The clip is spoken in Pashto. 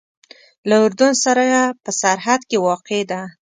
له اردن سره په سرحد کې واقع ده.